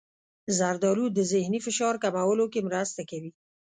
زردالو د ذهني فشار کمولو کې مرسته کوي.